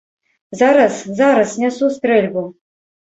Зараз, зараз нясу стрэльбу.